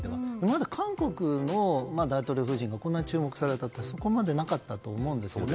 韓国の大統領夫人がここまで注目されたことってそこまでなかったと思うんです。